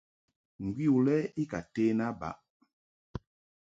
Ngwi u lɛ i ka ten a baʼ.